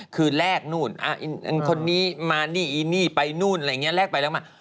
คือแรกนู่นคนนี้มานี่อีนี่ไปนู่นอะไรอย่างนี้แรกไปแล้วมา